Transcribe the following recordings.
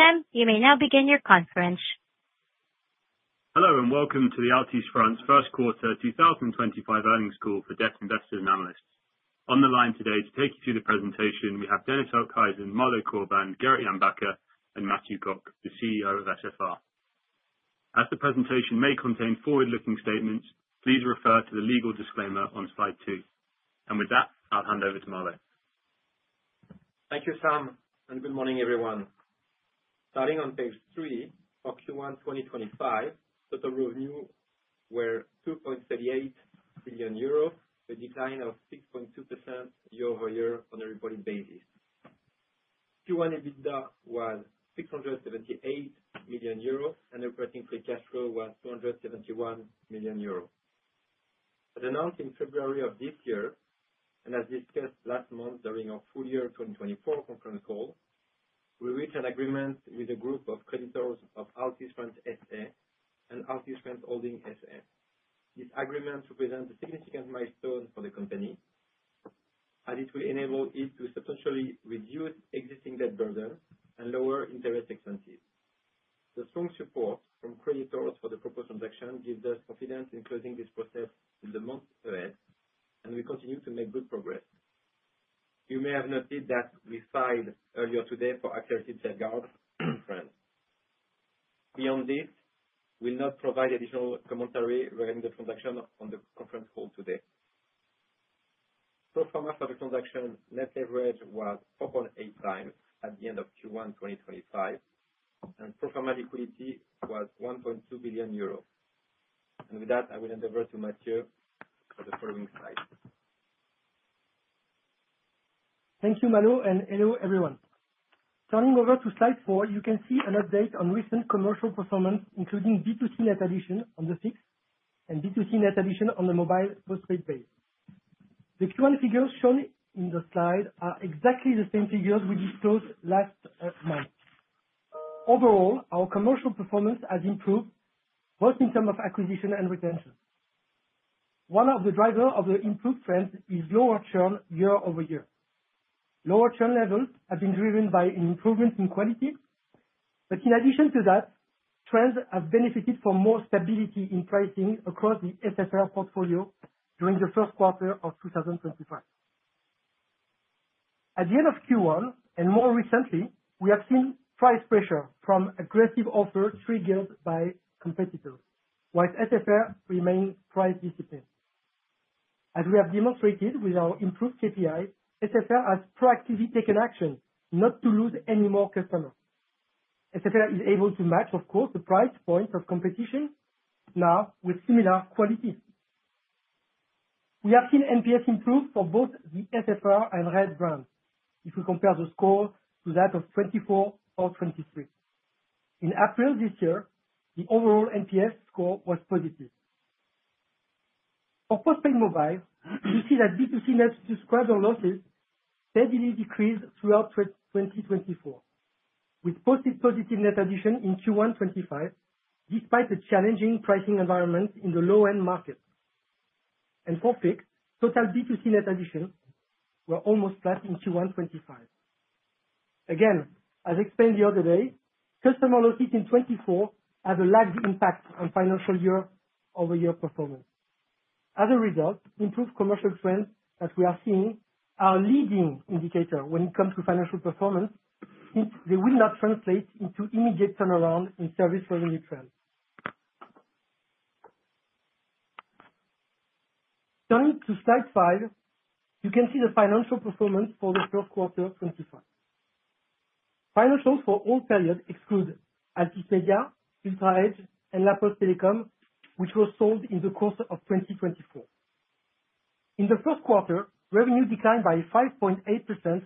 Sam, you may now begin your conference. Hello and welcome to the Altice France First Quarter 2025 earnings call for debt investors and analysts. On the line today to take you through the presentation, we have Dennis Okhuijsen, Malo Corbin, Gerrit Jan Bakker, and Mathieu Cocq, the CEO of SFR. As the presentation may contain forward-looking statements, please refer to the legal disclaimer on slide two, and with that, I'll hand over to Malo. Thank you, Sam, and good morning, everyone. Starting on page three, for Q1 2025, total revenue was 2.38 billion euros, a decline of 6.2% year-over-year on a reported basis. Q1 EBITDA was 678 million euro, and operating free cash flow was 271 million euro. As announced in February of this year, and as discussed last month during our full year 2024 conference call, we reached an agreement with a group of creditors of Altice France S.A. and Altice France Holding S.A. This agreement represents a significant milestone for the company, as it will enable it to substantially reduce existing debt burden and lower interest expenses. The strong support from creditors for the proposed transaction gives us confidence in closing this process in the months ahead, and we continue to make good progress. You may have noted that we filed earlier today for Accelerated Safeguard. France. Beyond this, I will not provide additional commentary regarding the transaction on the conference call today. Pro forma for the transaction net leverage was 4.8 times at the end of Q1 2025, and pro forma liquidity was 1.2 billion euros. With that, I will hand over to Mathieu for the following slide. Thank you, Malo, and hello, everyone. Turning over to slide four, you can see an update on recent commercial performance, including B2C net addition on the fixed and B2C net addition on the mobile postpaid base. The Q1 figures shown in the slide are exactly the same figures we disclosed last month. Overall, our commercial performance has improved, both in terms of acquisition and retention. One of the drivers of the improved trends is lower churn year over year. Lower churn levels have been driven by an improvement in quality, but in addition to that, trends have benefited from more stability in pricing across the SFR portfolio during the first quarter of 2025. At the end of Q1, and more recently, we have seen price pressure from aggressive offers triggered by competitors, while SFR remains price disciplined. As we have demonstrated with our improved KPIs, SFR has proactively taken action not to lose any more customers. SFR is able to match, of course, the price points of competition now with similar qualities. We have seen NPS improve for both the SFR and RED brands if we compare the score to that of 2024 or 2023. In April this year, the overall NPS score was positive. For postpaid mobile, you see that B2C net subscriber losses steadily decreased throughout 2024, with posted positive net addition in Q1 2025, despite the challenging pricing environment in the low-end market, and for fixed, total B2C net addition was almost flat in Q1 2025. Again, as explained the other day, customer losses in 2024 have a large impact on financial year-over-year performance. As a result, improved commercial trends that we are seeing are a leading indicator when it comes to financial performance, since they will not translate into immediate turnaround in service revenue trends. Turning to slide five, you can see the financial performance for the first quarter 2025. Financials for all periods exclude Altice Media, UltraEdge, and La Poste Telecom, which were sold in the course of 2024. In the first quarter, revenue declined by 5.8%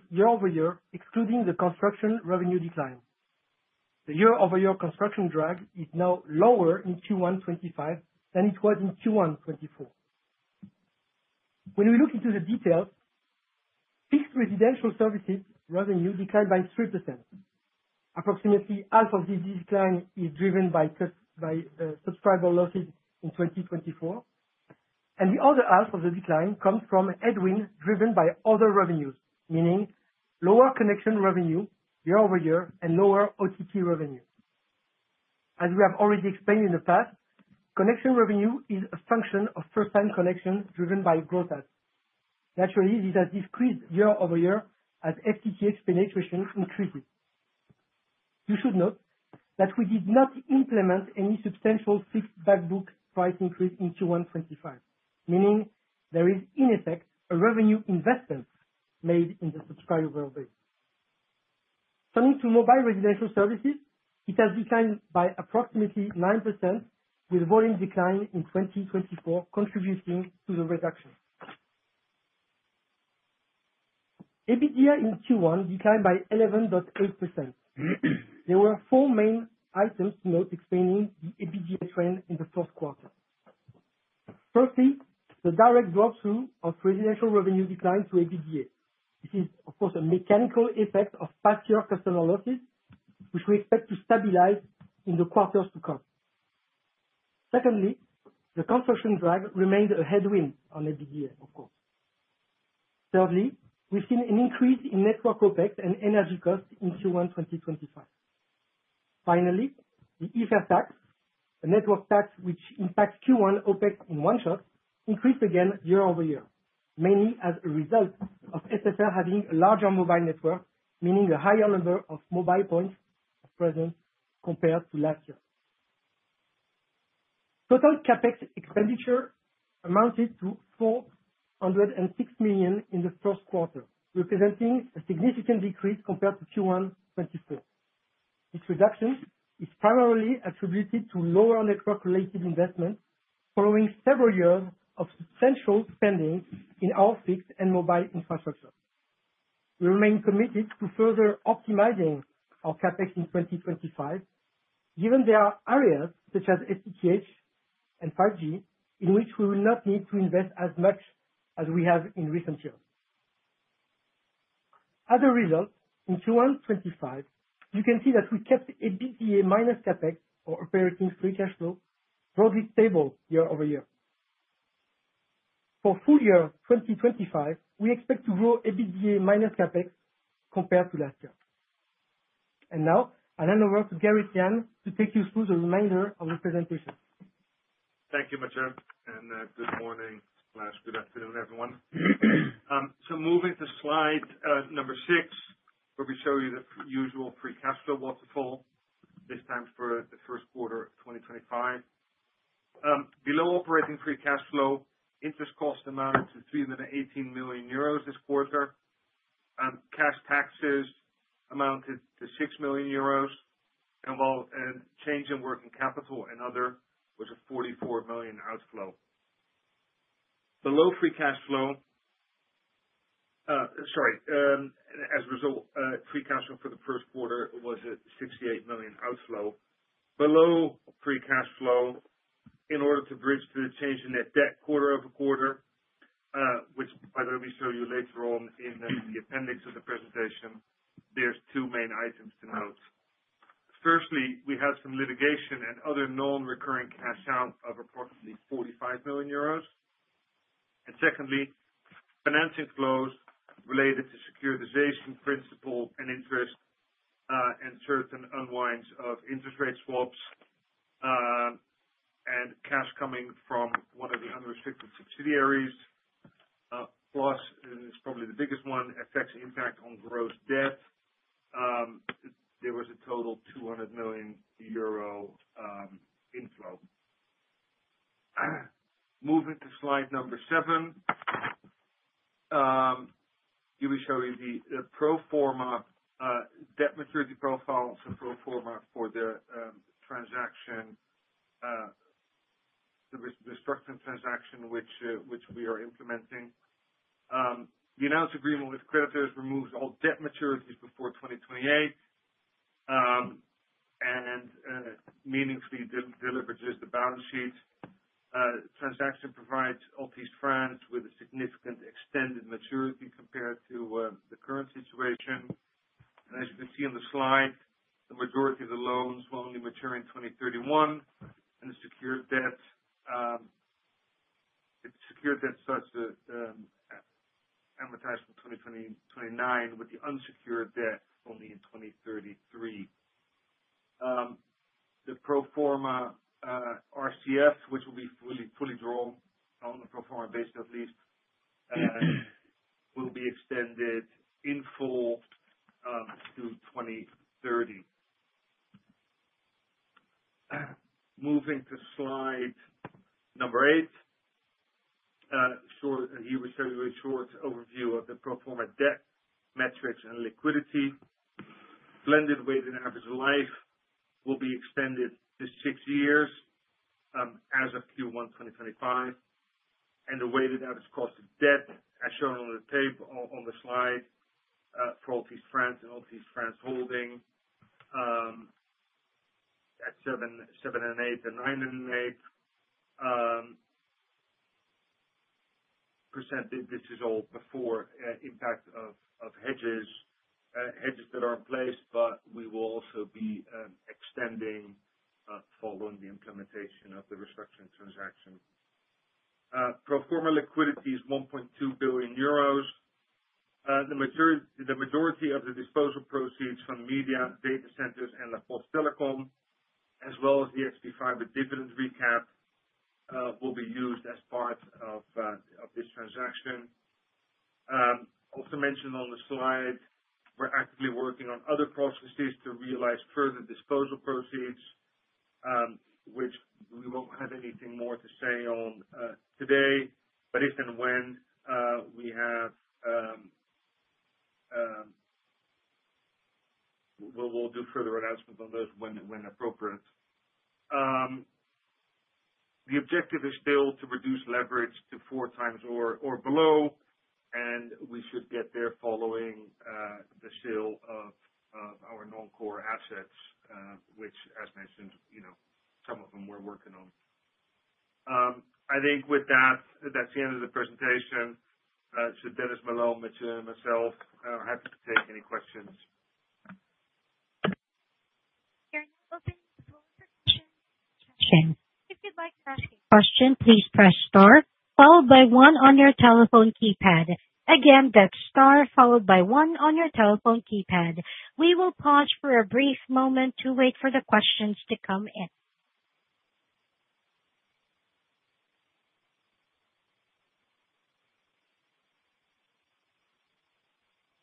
year over year, excluding the construction revenue decline. The year-over-year construction drag is now lower in Q1 2025 than it was in Q1 2024. When we look into the details, fixed residential services revenue declined by 3%. Approximately half of this decline is driven by subscriber losses in 2024, and the other half of the decline comes from headwinds driven by other revenues, meaning lower connection revenue year-over-year and lower OTT revenue. As we have already explained in the past, connection revenue is a function of first-time connection driven by growth. Naturally, this has decreased year over year as FTTH expenditure increases. You should note that we did not implement any substantial fixed backbook price increase in Q1 2025, meaning there is, in effect, a revenue investment made in the subscriber base. Turning to mobile residential services, it has declined by approximately 9%, with volume decline in 2024 contributing to the reduction. EBITDA in Q1 declined by 11.8%. There were four main items to note explaining the EBITDA trend in the fourth quarter. Firstly, the direct drawthrough of residential revenue declined to EBITDA. This is, of course, a mechanical effect of past-year customer losses, which we expect to stabilize in the quarters to come. Secondly, the construction drag remains a headwind on EBITDA, of course. Thirdly, we've seen an increase in network OpEx and energy costs in Q1 2025. Finally, the IFER tax, a network tax which impacts Q1 OpEx in one shot, increased again year-over-year, mainly as a result of SFR having a larger mobile network, meaning a higher number of mobile points present compared to last year. Total CapEx expenditure amounted to €406 million in the first quarter, representing a significant decrease compared to Q1 2024. This reduction is primarily attributed to lower network-related investment following several years of substantial spending in our fixed and mobile infrastructure. We remain committed to further optimizing our CapEx in 2025, given there are areas such as FTTH and 5G in which we will not need to invest as much as we have in recent years. As a result, in Q1 2025, you can see that we kept EBITDA minus CAPEX, or operating free cash flow, broadly stable year-over-year. For full year 2025, we expect to grow EBITDA minus CAPEX compared to last year, and now, I'll hand over to Gerrit Jan to take you through the remainder of the presentation. Thank you, Mathieu, and good morning or good afternoon, everyone. So moving to slide number six, where we show you the usual free cash flow waterfall, this time for the first quarter of 2025. Below operating free cash flow, interest cost amounted to 318 million euros this quarter. Cash taxes amounted to 6 million euros, and change in working capital and other was a 44 million outflow. Below free cash flow, sorry, as a result, free cash flow for the first quarter was a 68 million outflow. Below free cash flow, in order to bridge the change in net debt quarter-over-quarter, which, by the way, we show you later on in the appendix of the presentation, there are two main items to note. Firstly, we had some litigation and other non-recurring cash out of approximately 45 million euros. And secondly, financing flows related to securitization principal and interest and certain unwinds of interest rate swaps and cash coming from one of the unrestricted subsidiaries. Plus, and it's probably the biggest one, effects impact on gross debt. There was a total 200 million euro inflow. Moving to slide number seven, here we show you the pro forma debt maturity profile for pro forma for the transaction, the restructuring transaction, which we are implementing. The announced agreement with creditors removes all debt maturities before 2028 and meaningfully deleverages the balance sheet. The transaction provides Altice France with a significant extended maturity compared to the current situation. And as you can see on the slide, the majority of the loans will only mature in 2031, and the secured debt starts to amortize from 2029, with the unsecured debt only in 2033. The pro forma RCF, which will be fully drawn on the pro forma base, at least, will be extended in full to 2030. Moving to slide number eight, here we show you a short overview of the pro forma debt metrics and liquidity. Blended weighted average life will be extended to six years as of Q1 2025. And the weighted average cost of debt, as shown on the slide for Altice France and Altice France Holding at 7.8% and 9.8%, this is all before impact of hedges that are in place, but we will also be extending following the implementation of the restructuring transaction. Pro forma liquidity is 1.2 billion euros. The majority of the disposal proceeds from Media and Data Centers and La Poste Telecom, as well as the XPFibre dividend recap, will be used as part of this transaction. Also mentioned on the slide, we're actively working on other processes to realize further disposal proceeds, which we won't have anything more to say on today, but if and when we have, we'll do further announcements on those when appropriate. The objective is still to reduce leverage to four times or below, and we should get there following the sale of our non-core assets, which, as mentioned, some of them we're working on. I think with that, that's the end of the presentation. So Dennis, Malo, Matthew, and myself, happy to take any questions. If you'd like to ask a question, please press star, followed by one on your telephone keypad. Again, that's star, followed by one on your telephone keypad. We will pause for a brief moment to wait for the questions to come in.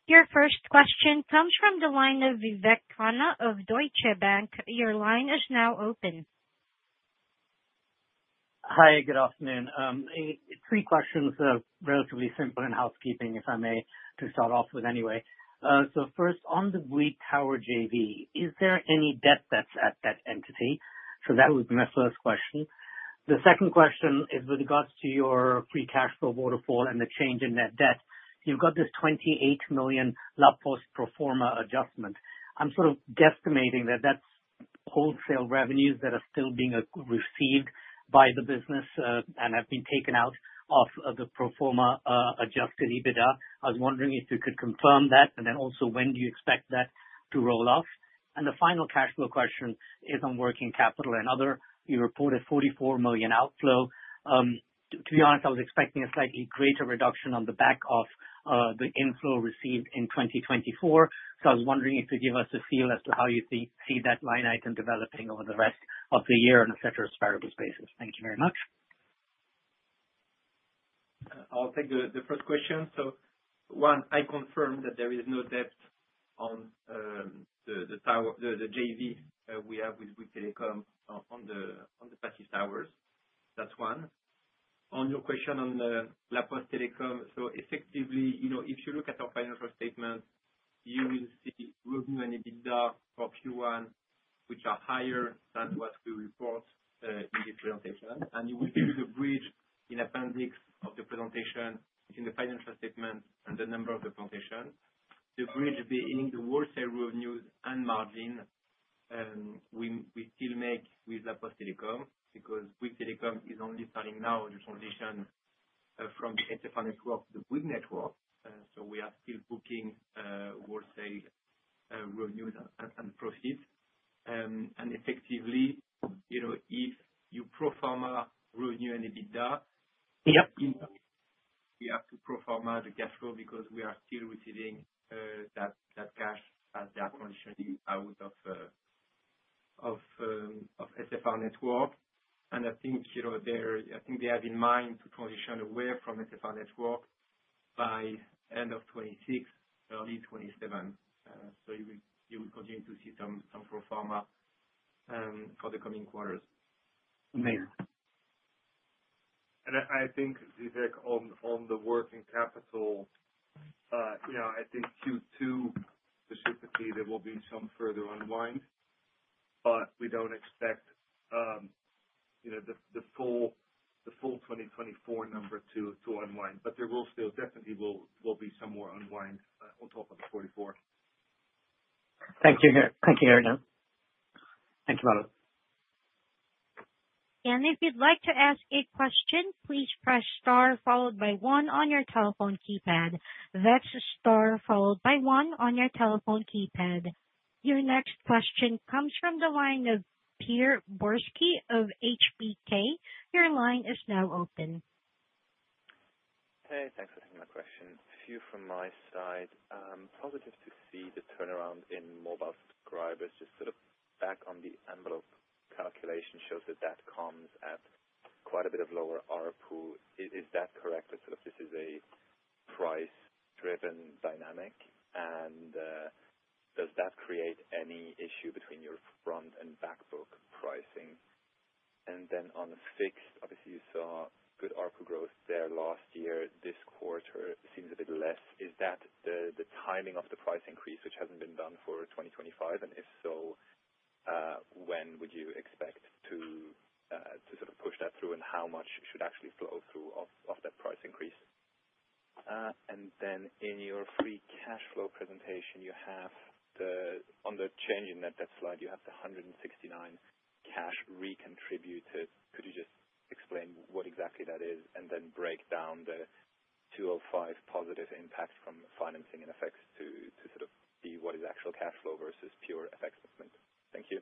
Your first question comes from Vivek Anand of Deutsche Bank. Your line is now open. Hi, good afternoon. Three questions that are relatively simple in housekeeping, if I may, to start off with anyway, so first, on the Bouygues Tower JV, is there any debt that's at that entity, so that would be my first question. The second question is with regards to your free cash flow waterfall and the change in net debt. You've got this 28 million La Poste pro forma adjustment. I'm sort of guesstimating that that's wholesale revenues that are still being received by the business and have been taken out of the pro forma adjusted EBITDA. I was wondering if you could confirm that, and then also when do you expect that to roll off, and the final cash flow question is on working capital and other. You reported 44 million outflow. To be honest, I was expecting a slightly greater reduction on the back of the inflow received in 2024. So I was wondering if you could give us a feel as to how you see that line item developing over the rest of the year on a ceteris paribus basis? Thank you very much. I'll take the first question. So, one, I confirm that there is no debt on the JV we have with Bouygues Telecom on the passive towers. That's one. On your question on La Poste Telecom, so effectively, if you look at our financial statements, you will see revenue and EBITDA for Q1, which are higher than what we report in this presentation, and you will see the bridge in appendix of the presentation between the financial statements and the number of the presentation. The bridge being the wholesale revenues and margin we still make with La Poste Telecom because Bouygues Telecom is only starting now the transition from the SFR network to the Bouygues network, so we are still booking wholesale revenues and profits. And effectively, if you pro forma revenue and EBITDA, we have to pro forma the cash flow because we are still receiving that cash as they are transitioning out of SFR network. And I think they have in mind to transition away from SFR network by end of 2026, early 2027. So you will continue to see some pro forma for the coming quarters. Amazing. And I think, on the working capital, I think Q2, specifically, there will be some further unwind, but we don't expect the full 2024 number to unwind. But there will still definitely be some more unwind on top of the 44. Thank you, Gerrit. Thank you, Gerrit. Thank you, Malo. And if you'd like to ask a question, please press star, followed by one on your telephone keypad. That's star, followed by one on your telephone keypad. Your next question comes from the line of Pierre Borski of HBK. Your line is now open. Hey, thanks for taking my question. A few from my side. Positive to see the turnaround in mobile subscribers. Just sort of back-of-the-envelope calculation shows that that comes at quite a bit of lower ARPU. Is that correct? This is a price-driven dynamic. And does that create any issue between your front and backbook pricing? And then on the fixed, obviously, you saw good ARPU growth there last year. This quarter seems a bit less. Is that the timing of the price increase, which hasn't been done for 2025? And if so, when would you expect to sort of push that through, and how much should actually flow through of that price increase? And then in your free cash flow presentation, on the change in net debt slide, you have the 169 cash recontributed. Could you just explain what exactly that is, and then break down the 205 positive impact from financing and FX to sort of be what is actual cash flow versus pure FX movement? Thank you.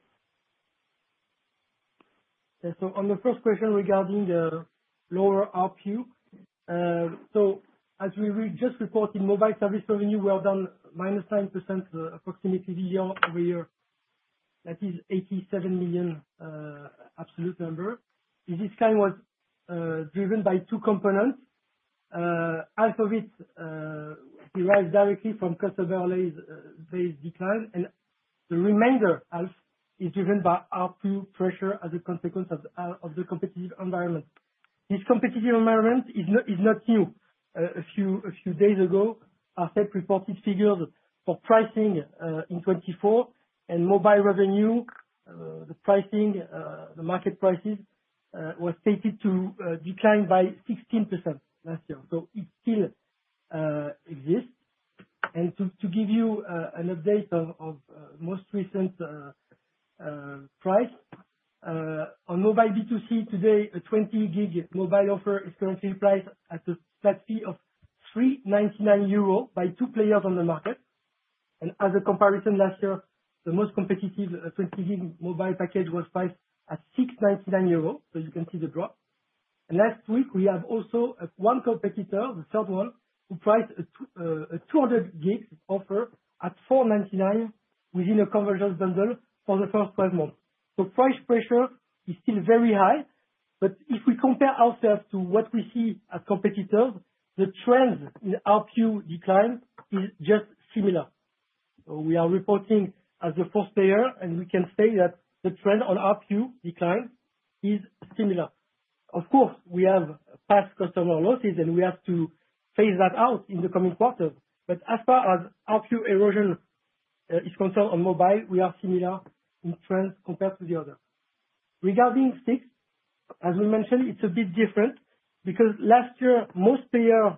On the first question regarding the lower ARPU, as we just reported, mobile service revenue were down -9% approximately over a year. That is 87 million absolute number. This decline was driven by two components. Half of it derives directly from customer base decline, and the remainder half is driven by ARPU pressure as a consequence of the competitive environment. This competitive environment is not new. A few days ago, our Arcep reported figures for pricing in 2024, and mobile revenue, the pricing, the market prices were stated to decline by 16% last year. It still exists. To give you an update of most recent price, on mobile B2C today, a 20-gig mobile offer is currently priced at a flat fee of 399 euro by two players on the market. As a comparison last year, the most competitive 20-gig mobile package was priced at 699 euros. So you can see the drop. And last week, we have also one competitor, the third one, who priced a 200-gig offer at 499 within a convergence bundle for the first 12 months. So price pressure is still very high, but if we compare ourselves to what we see at competitors, the trends in ARPU decline is just similar. So we are reporting as the fourth player, and we can say that the trend on ARPU decline is similar. Of course, we have past customer losses, and we have to phase that out in the coming quarters. But as far as ARPU erosion is concerned on mobile, we are similar in trends compared to the other. Regarding STIX, as we mentioned, it's a bit different because last year, most players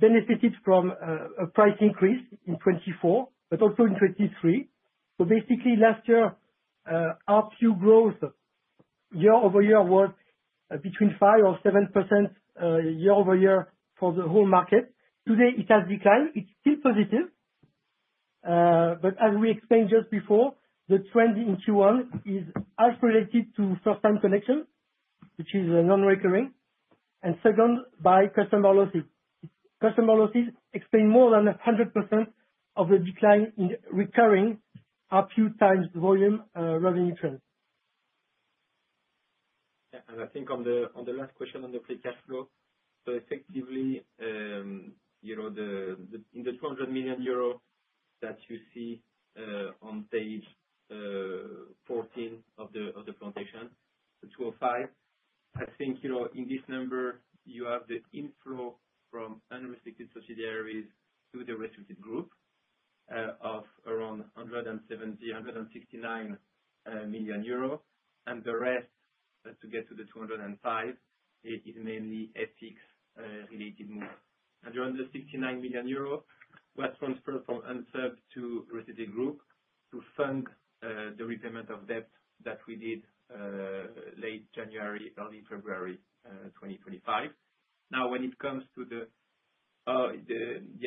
benefited from a price increase in 2024, but also in 2023. Basically, last year, ARPU growth year over year was between 5% or 7% year over year for the whole market. Today, it has declined. It's still positive. But as we explained just before, the trend in Q1 is half related to first-time connection, which is non-recurring, and second, by customer losses. Customer losses explain more than 100% of the decline in recurring ARPU times volume revenue trends. I think on the last question on the free cash flow, so effectively, in the 200 million euro that you see on page 14 of the presentation, the 205, I think in this number, you have the inflow from unrestricted subsidiaries to the restricted group of around 170, 169 million euro, and the rest to get to the 205 is mainly FX-related move. And around the 69 million euros was transferred from unrestricted to restricted group to fund the repayment of debt that we did late January, early February 2025. Now, when it comes to the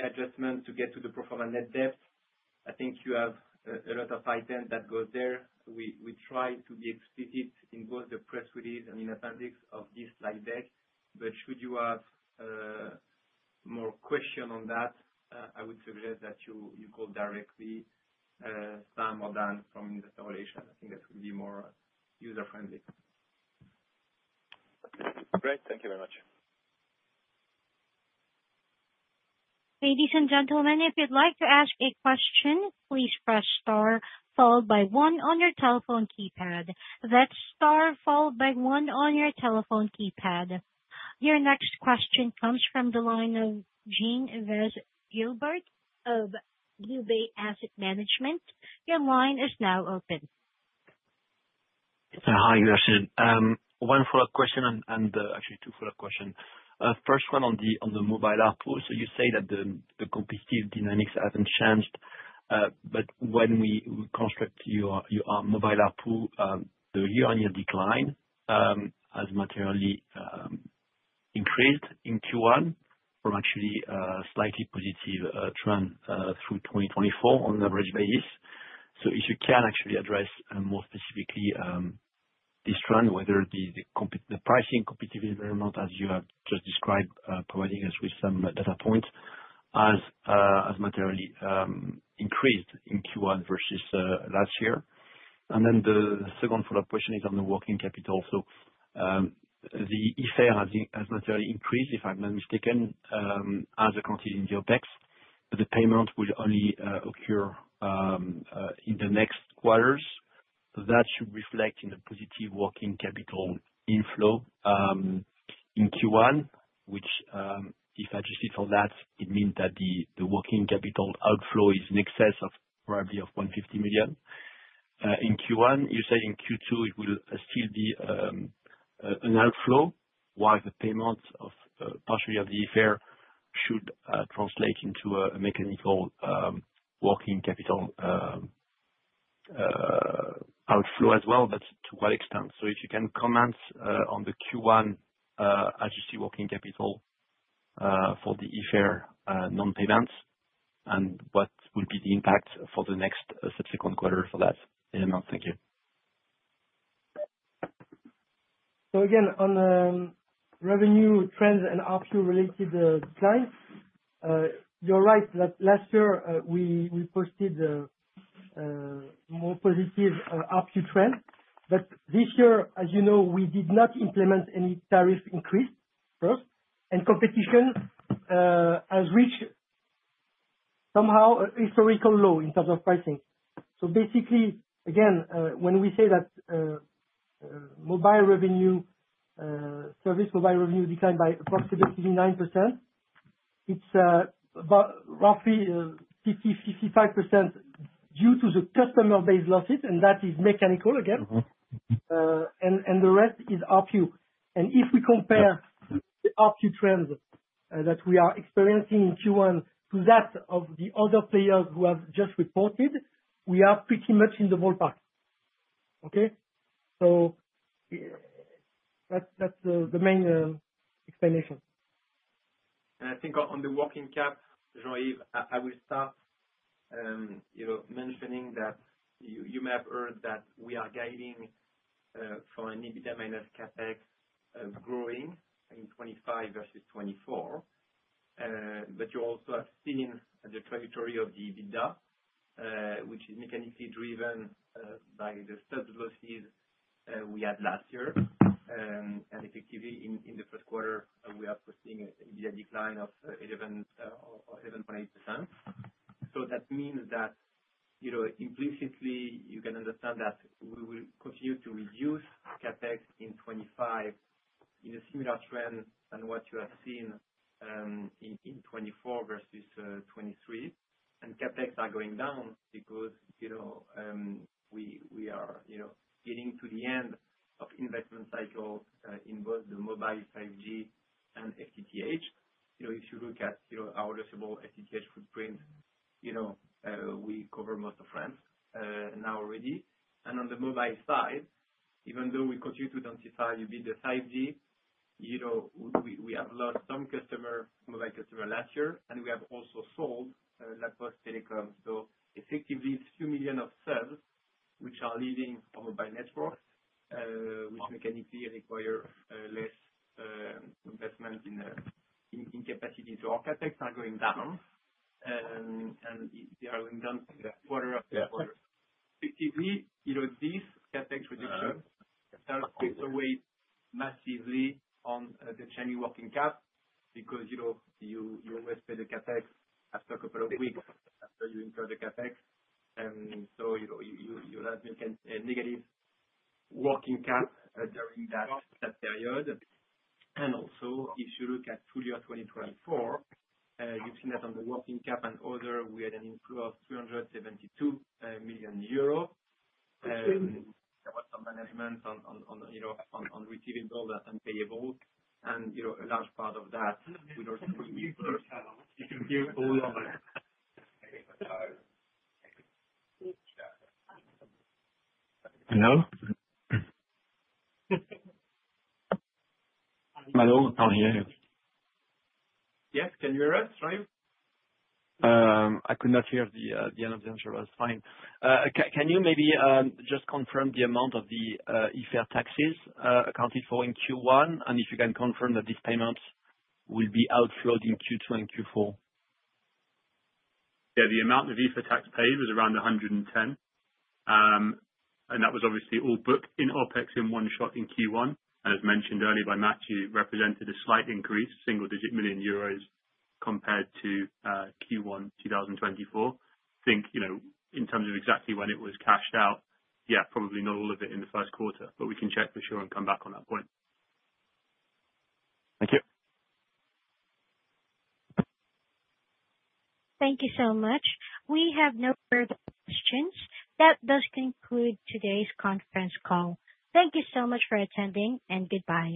adjustment to get to the pro forma net debt, I think you have a lot of items that go there. We try to be explicit in both the press release and in appendix of this slide deck. But should you have more questions on that, I would suggest that you call directly Sam or Dan from investor relations. I think that would be more user-friendly. Great. Thank you very much. Ladies and gentlemen, if you'd like to ask a question, please press star, followed by one on your telephone keypad. That's star, followed by one on your telephone keypad. Your next question comes from the line of Jean-Yves Gilbert of Gilbert Asset Management. Your line is now open. Hi, you're listening. One follow-up question, and actually two follow-up questions. First one on the mobile ARPU. So you say that the competitive dynamics haven't changed, but when we construct your mobile ARPU, the year-on-year decline has materially increased in Q1 from actually a slightly positive trend through 2024 on an average basis. So if you can actually address more specifically this trend, whether it be the pricing competitive environment, as you have just described, providing us with some data points, has materially increased in Q1 versus last year. And then the second follow-up question is on the working capital. So the IFER has materially increased, if I'm not mistaken, as accounted in the OpEx, but the payment will only occur in the next quarters. That should reflect in the positive working capital inflow in Q1, which, if adjusted for that, it means that the working capital outflow is in excess of probably of €150 million. In Q1, you say in Q2, it will still be an outflow, while the payment of partially of the IFER should translate into a mechanical working capital outflow as well, but to what extent? So if you can comment on the Q1 as you see working capital for the IFER non-payments, and what would be the impact for the next subsequent quarter for that? Anyone else? Thank you. So again, on revenue trends and ARPU-related declines, you're right that last year, we posted a more positive ARPU trend. But this year, as you know, we did not implement any tariff increase first, and competition has reached somehow a historical low in terms of pricing. So basically, again, when we say that mobile revenue service, mobile revenue declined by approximately 9%, it's roughly 50-55% due to the customer-based losses, and that is mechanical, again. And the rest is ARPU. And if we compare the ARPU trends that we are experiencing in Q1 to that of the other players who have just reported, we are pretty much in the ballpark. Okay? So that's the main explanation. I think on the working cap, Jean-Yves, I will start mentioning that you may have heard that we are guiding for an EBITDA minus CAPEX growing in 2025 versus 2024. You also have seen the trajectory of the EBITDA, which is mechanically driven by the surplus losses we had last year. Effectively, in the first quarter, we are posting an EBITDA decline of 11.8%. That means that implicitly, you can understand that we will continue to reduce CAPEX in 2025 in a similar trend than what you have seen in 2024 versus 2023. CAPEX are going down because we are getting to the end of investment cycle in both the mobile 5G and FTTH. If you look at our addressable FTTH footprint, we cover most of France now already. On the mobile side, even though we continue to invest in the 5G, we have lost some mobile customers last year, and we have also sold La Poste Telecom. So effectively, it's a few million of subscribers which are leaving our mobile networks, which mechanically require less investment in capacity. The capex are going down, and they are going down quarter after quarter. Effectively, these CAPEX reductions also weigh massively on the change in working cap because you always pay the CAPEX after a couple of weeks after you incur the CAPEX. And so you're at a negative working cap during that period. And also, if you look at full year 2024, you've seen that on the working cap in order, we had an inflow of € 372 million. There was some management on receivables and payables, and a large part of that will also be for. [inaudible] Hello? Hello? I can't hear you. Yes, can you hear us, Jean-Yves? I could not hear the end of the answer, but that's fine. Can you maybe just confirm the amount of the IFER taxes accounted for in Q1, and if you can confirm that these payments will be outflowed in Q2 and Q4? Yeah, the amount of IFER tax paid was around 110 million, and that was obviously all booked in OpEx in one shot in Q1, and as mentioned earlier by Matt, it represented a slight increase, single-digit million EUR compared to Q1 2024. I think in terms of exactly when it was cashed out, yeah, probably not all of it in the first quarter, but we can check for sure and come back on that point. Thank you. Thank you so much. We have no further questions. That does conclude today's conference call. Thank you so much for attending, and goodbye.